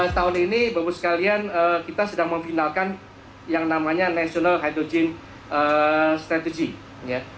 tahun ini bapak ibu sekalian kita sedang memfinalkan yang namanya national hydrogen strategy